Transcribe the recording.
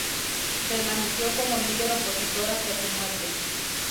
Permaneció como líder opositor hasta su muerte.